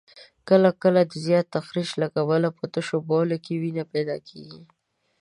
کله کله د زیات تخریش له کبله په تشو بولو کې وینه پیدا کېږي.